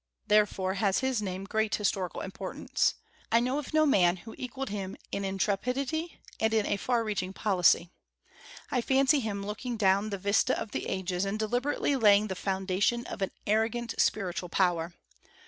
Therefore has his name great historical importance. I know of no man who equalled him in intrepidity, and in a far reaching policy. I fancy him looking down the vista of the ages, and deliberately laying the foundation of an arrogant spiritual power.